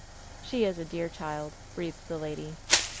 "She is a dear child," breathed the lady.